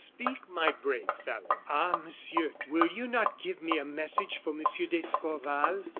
"Speak, my brave fellow." "Ah! Monsieur, will you not give me a message for Monsieur d'Escorval?